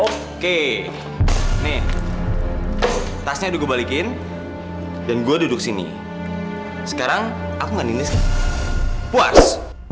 oke nih tasnya dibalikin dan gue duduk sini sekarang aku nindis puas